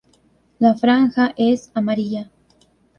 La franja es amarilla.